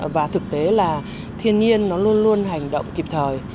và thực tế là thiên nhiên nó luôn luôn hành động kịp thời